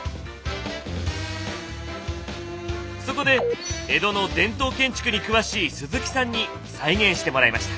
そこで江戸の伝統建築に詳しい鈴木さんに再現してもらいました。